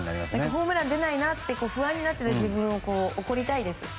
ホームランが出ないなと不安になっている自分を怒りたいです。